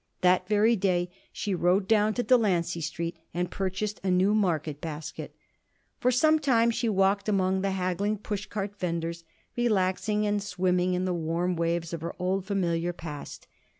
That very day she rode down to Delancey Street and purchased a new market basket. For some time she walked among the haggling push cart venders, relaxing and swimming in the warm waves of her old familiar past.